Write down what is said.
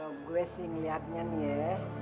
ya kalo gue sih ngeliatnya nih ya